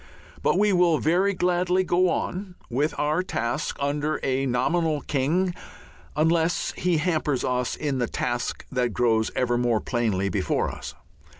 But we will very gladly go on with our task under a nominal king unless he hampers us in the task that grows ever more plainly before us.